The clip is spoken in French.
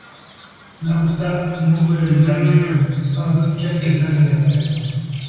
Marutha mourut à une date inconnue, sans doute quelques années après.